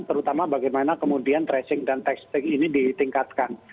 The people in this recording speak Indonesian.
terutama bagaimana kemudian tracing dan testing ini ditingkatkan